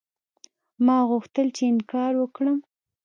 ما غوښتل چې انکار وکړم.